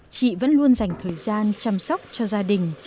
chị vẫn luôn dành thời gian chăm sóc cho gia đình